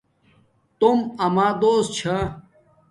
توم اما دوست چھا